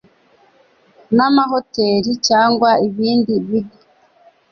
n amahoteri cyangwa ibindi bigo